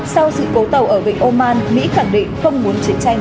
sau sự cố tàu ở vịnh ô man mỹ khẳng định không muốn chiến tranh với iran